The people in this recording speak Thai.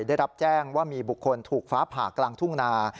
ได้รับแจ้งว่ามีบุคคลถูกฟ้าผ่ากลางทุ่งนา